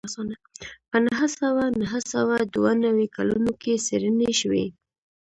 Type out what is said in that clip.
په نهه سوه نهه سوه دوه نوي کلونو کې څېړنې شوې